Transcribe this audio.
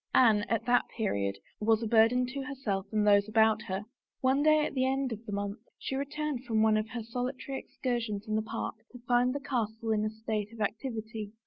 Anne, at that period, was a burden to herself and those about her. One day at the end of the month she returned from one of her solitary excursions in the park to find the castle in a state of activity.